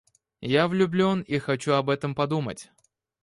Я влюблён и хочу об этом подумать.